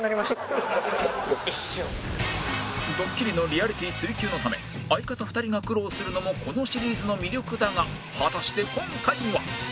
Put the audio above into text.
ドッキリのリアリティ追求のため相方２人が苦労するのもこのシリーズの魅力だが果たして今回は？